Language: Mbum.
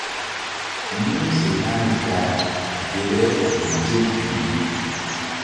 Mu̧h fe hani ta ge le yih nzɔm tul ye.